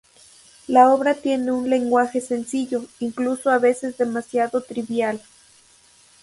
La obra tiene un lenguaje sencillo, incluso a veces demasiado trivial.